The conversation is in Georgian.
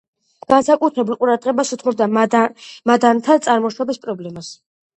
განსაკუთრებულ ყურადღებას უთმობდა მადანთა წარმოშობის პრობლემას.